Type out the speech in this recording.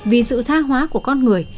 vì sự tha hóa của con người